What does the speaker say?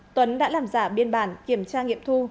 tuấn đã làm giả biên bản kiểm tra nghiệm thu